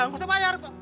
nggak usah bayar pak